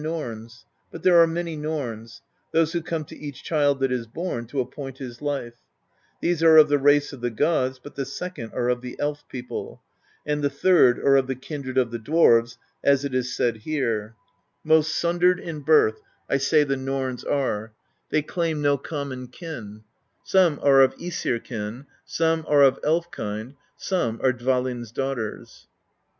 THE BEGUILING OF GYLFI 29 Norns; but there are many norns: those who come to each child that is born, to appoint his life; these are of the race of the gods, but the second are of the Elf people, and the third are of the kindred of the dwarves, as it is said here: Most sundered in birth I say the Norns are; They claim no common kin : Some are of iEsir kin, some are of Elf kind, Some are Dvalinn's daughters."